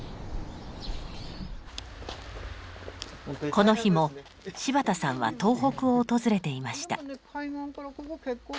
この日も柴田さんは東北を訪れていました。